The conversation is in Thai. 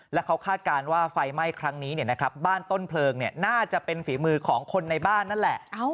แล้วเขาคาดการณ์ว่าไฟไหม้ครั้งนี้บ้านต้นเพลิงน่าจะเป็นฝีมือของคนในบ้านนั่นแหละ